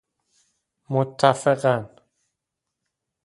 متفقا ً